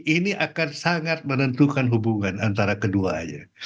ini akan sangat menentukan hubungan antara keduanya